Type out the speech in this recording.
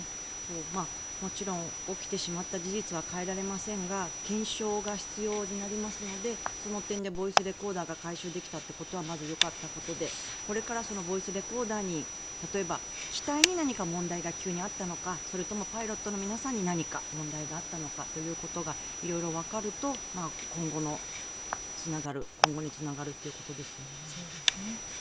もちろん起きてしまった事実は変えられませんが検証が必要になりますのでその点でボイスレコーダーが回収できたということはまずよかったことでこれからボイスレコーダーに例えば、機体に何か問題が急にあったのかそれともパイロットの皆さんに何か問題があったのかということが色々わかると今後につながるということですよね。